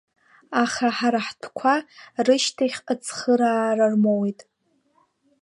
Аха ҳара ҳтәқәа рышьҭахьҟа цхыраара рмоуит…